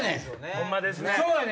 ホンマですね！